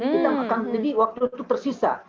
jadi waktu itu tersisa